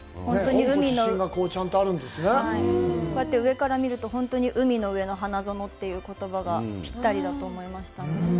こうやって上から見ると、本当に「海の上の花園」という言葉がぴったりだと思いました。